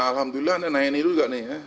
nah alhamdulillah anda nanya ini juga nih ya